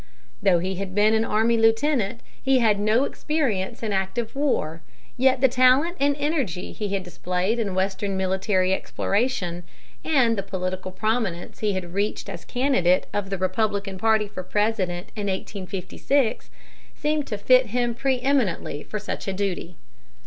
Though he had been an army lieutenant, he had no experience in active war; yet the talent and energy he had displayed in Western military exploration, and the political prominence he had reached as candidate of the Republican party for President in 1856, seemed to fit him preëminently for such a duty.